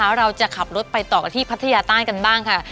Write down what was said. ว่าเราจะขับรถไปต่อที่พัทยาต้านกันบ้างค่ะ